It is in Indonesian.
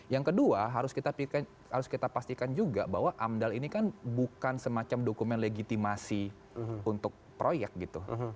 yang kedua harus kita pastikan juga bahwa amdal ini kan bukan semacam dokumen legitimasi untuk proyek gitu